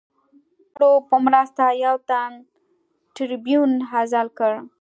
ملاتړو په مرسته یو تن ټربیون عزل کړ.